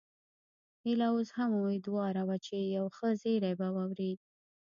هيله اوس هم اميدواره وه چې یو ښه زیری به واوري